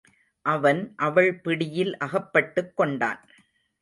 அவன் அவள் பிடியில் அகப்பட்டுக் கொண்டான்.